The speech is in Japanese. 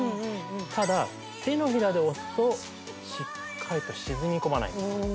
ただ手のひらで押すとしっかりと沈み込まないんです